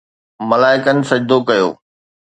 ملائڪن سجدو ڪيو